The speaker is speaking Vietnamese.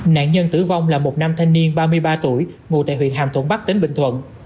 nạn nhân tử vong là một nam thanh niên ba mươi ba tuổi ngụ tại huyện hàm thuận bắc tỉnh bình thuận